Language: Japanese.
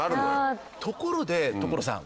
ところで所さん。